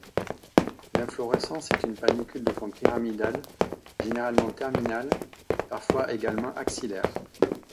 L'inflorescence est une panicule de forme pyramidale, généralement terminale, parfois également axillaire.